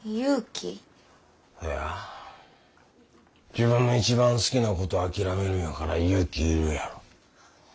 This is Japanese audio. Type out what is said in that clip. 自分の一番好きなことを諦めるんやから勇気いるやろ。